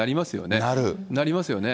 なりますよね。